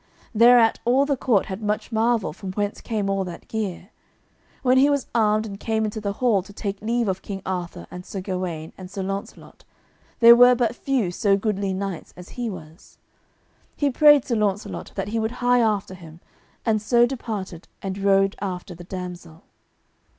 Thereat all the court had much marvel from whence came all that gear. When he was armed and came into the hall to take leave of King Arthur and Sir Gawaine and Sir Launcelot, there were but few so goodly knights as he was. He prayed Sir Launcelot that he would hie after him, and so departed and rode after the damsel.